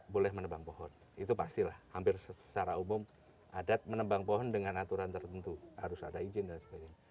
boleh menebang pohon itu pastilah hampir secara umum adat menebang pohon dengan aturan tertentu harus ada izin dan sebagainya